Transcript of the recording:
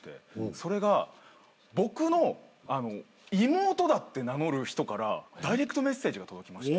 それが僕の妹だって名乗る人からダイレクトメッセージが届きまして。